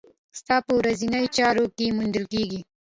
ستا په ورځنيو چارو کې موندل کېږي.